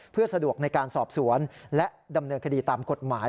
เพื่อสะดวกในการสอบสวนและดำเนินคดีตามกฎหมาย